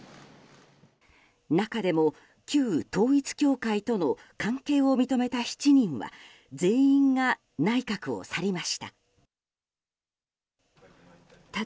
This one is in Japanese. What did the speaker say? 中でも、旧統一教会との関係を認めた７人は全員が内閣を去りました。